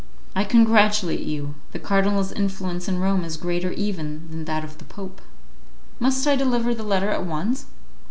"I congratulate you; the cardinal's influence in Rome is greater even than that of the Pope." "Must I deliver the letter at once?"